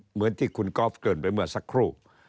เหมือนที่คุณก๊อฟเกินไปเมื่อสักครู่